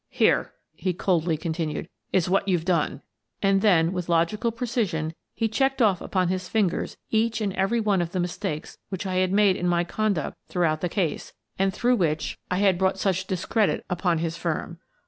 "Here," he coldly continued, "is what you've done." And then, with logical precision, he checked off upon his fingers each and every one of the mistakes which I had made in my conduct throughout the case and through which I had 86 Miss Frances Baird, Detective brought such discredit upon his firm.